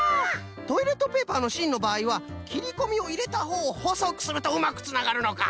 トイレットペーパーのしんのばあいはきりこみをいれたほうをほそくするとうまくつながるのか。